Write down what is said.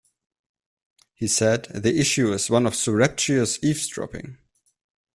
He said: The issue is one of surreptitious eavesdropping.